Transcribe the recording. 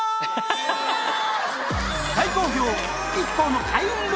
大好評！